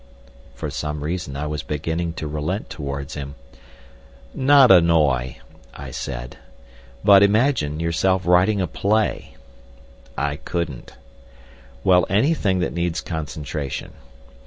For some reason I was beginning to relent towards him. "Not annoy," I said. "But—imagine yourself writing a play!" "I couldn't." "Well, anything that needs concentration."